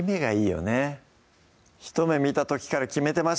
ひと目見た時から決めてました